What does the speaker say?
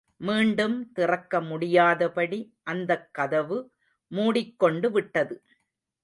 மீண்டும் திறக்க முடியாதபடி அந்தக் கதவு முடிக் கொண்டு விட்டது.